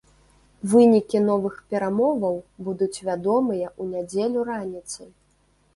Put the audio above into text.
Вынікі новых перамоваў будуць вядомыя ў нядзелю раніцай.